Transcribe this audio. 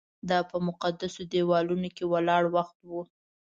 دا په مقدسو دیوالونو کې ولاړ وخت و.